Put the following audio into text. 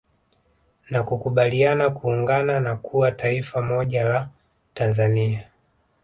Na kukubaliana kuungana na kuwa taifa moja la Tanzania